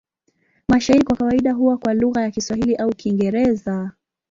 Mashairi kwa kawaida huwa kwa lugha ya Kiswahili au Kiingereza.